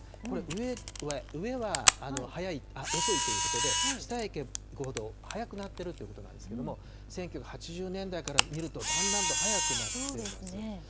これ、上は遅いということで、下へ行くほど早くなってるということなんですけれども、１９８０年代から見ると、だんだんと早くなっています。